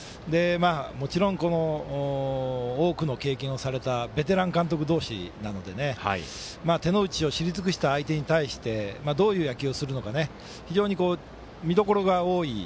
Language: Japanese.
もちろん多くの経験をされたベテラン監督同士なので手の内を知り尽くした相手に対してどういう野球をするのか非常に見どころが多い。